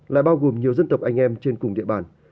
là bao gồm nhiều dân tộc anh em trên cùng địa bàn